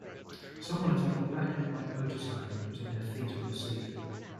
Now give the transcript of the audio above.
Someone is on a black and white motorcycle and putting their feet on the seat.